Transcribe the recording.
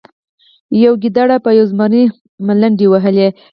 یوې ګیدړې په یو زمري ملنډې وهلې.